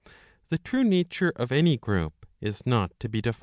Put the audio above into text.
The true nature of any group is not to be defined ' D.